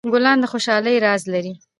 ګلان د خوشحالۍ راز لري.